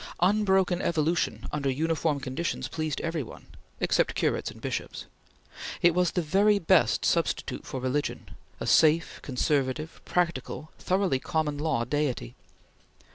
Unbroken Evolution under uniform conditions pleased every one except curates and bishops; it was the very best substitute for religion; a safe, conservative, practical, thoroughly Common Law deity.